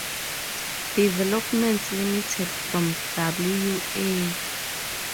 Developments Limited from W. A.